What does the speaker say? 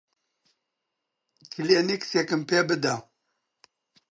کلێنکسێکم پێ بدە.